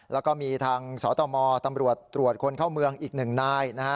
แล้วก็มีทางสตตำรวจตรวจคนเข้าเมืองอีก๑นาย